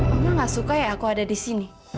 kamu gak suka ya aku ada di sini